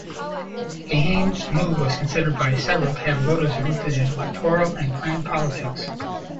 Kahin's move was considered by several to have motives rooted in electoral and clan-politics.